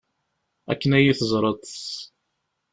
Akken ad iyi-teẓreḍ.